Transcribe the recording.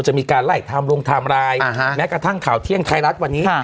จะมีการไล่ไทม์ลงไทม์ไลน์แม้กระทั่งข่าวเที่ยงไทยรัฐวันนี้